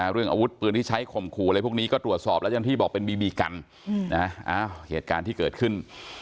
เรื่องอาวุธปืนที่ใช้ข่มขู่อะไรพวกนี้ก็ตรวจสอบแล้วเจ้าหน้าที่บอกเป็นบีบีกันเหตุการณ์ที่เกิดขึ้น